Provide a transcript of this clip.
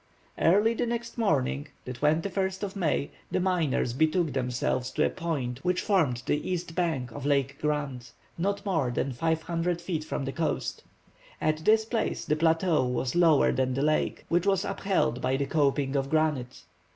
Early the next morning, the 21st of May, the miners betook themselves to a point which formed the east bank of Lake Grant, not more than 500 feet from the coast. At this place the plateau was lower than the lake, which was upheld by the coping of granite.